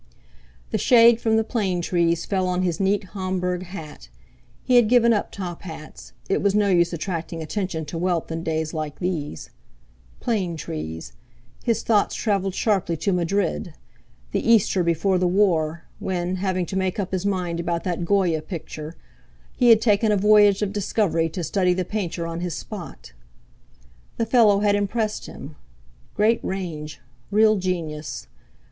The shade from the plane trees fell on his neat Homburg hat; he had given up top hats—it was no use attracting attention to wealth in days like these. Plane trees! His thoughts travelled sharply to Madrid—the Easter before the War, when, having to make up his mind about that Goya picture, he had taken a voyage of discovery to study the painter on his spot. The fellow had impressed him—great range, real genius!